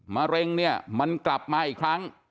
มะเร็งมันกลับมาอีกครั้ง